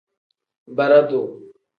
Bara-duu.